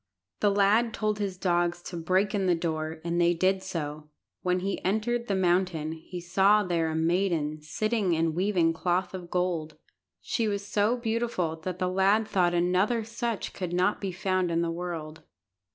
The lad told his dogs to break in the door, and they did so. When he entered the mountain he saw there a maiden, sitting and weaving cloth of gold. She was so beautiful that the lad thought another such could not be found in the world.